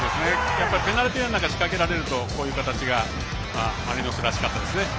ペナルティーエリアから仕掛けられるとこういう形がマリノスらしかったですね。